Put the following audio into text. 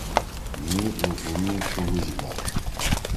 مھی اُو پُو می کُھوگُوش کا۔